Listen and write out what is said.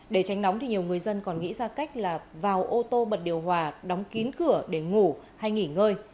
để tránh nóng thì nhiều người dân còn nghĩ ra cách là vào ô tô bật điều hòa đóng kín cửa để ngủ hay nghỉ ngơi